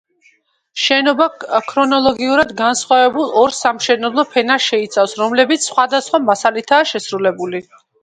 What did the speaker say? შენობა ქრონოლოგიურად განსხვავებულ, ორ სამშენებლო ფენას შეიცავს, რომელებიც სხვადასხვა მასალითაა შესრულებული.